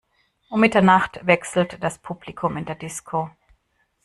Um Mitternacht wechselt das Publikum in der Disco.